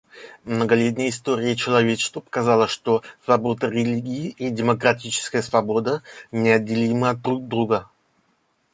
Многолетняя история человечества показала, что свобода религии и демократическая свобода неотделимы друг от друга.